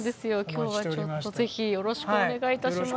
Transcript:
今日はちょっとぜひよろしくお願いいたします。